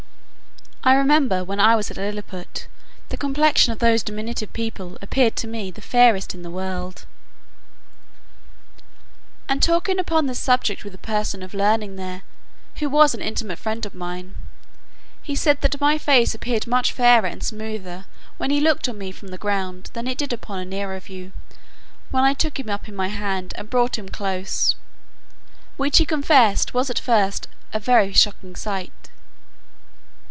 I remember when I was at Lilliput, the complexion of those diminutive people appeared to me the fairest in the world; and talking upon this subject with a person of learning there, who was an intimate friend of mine, he said that my face appeared much fairer and smoother when he looked on me from the ground, than it did upon a nearer view, when I took him up in my hand, and brought him close, which he confessed was at first a very shocking sight.